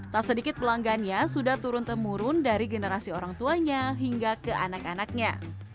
tak sedikit pelanggannya sudah turun temurun dari generasi orang tuanya hingga ke anak anaknya